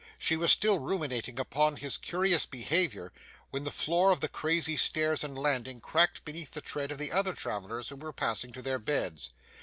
She was still ruminating upon his curious behaviour, when the floor of the crazy stairs and landing cracked beneath the tread of the other travellers who were passing to their beds.